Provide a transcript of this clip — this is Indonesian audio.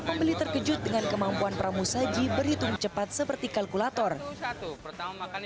pembeli terkejut dengan kemampuan pramu saji berhitung cepat seperti kalkulator satu pertama kali